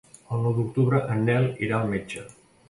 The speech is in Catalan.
El nou d'octubre en Nel irà al metge.